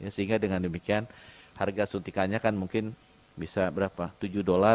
sehingga dengan demikian harga suntikannya kan mungkin bisa berapa